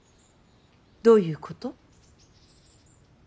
どういうこと。